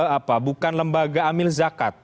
apa bukan lembaga amil zakat